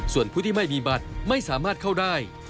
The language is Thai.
ส่วนผู้ที่ไม่มีบัตรไม่สามารถเข้าได้